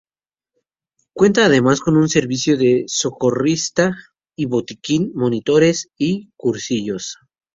Cuenta además con un servicio de socorrista y botiquín, monitores y cursillos.